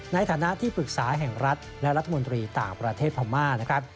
ในฐานะที่ปรึกษาแห่งรัฐและรัฐมนตรีต่างประเทศพม่านะครับ